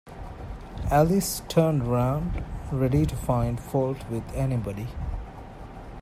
Alice turned round, ready to find fault with anybody.